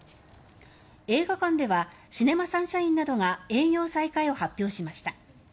映画館ではシネマサンシャインなどが営業再開を発表しました。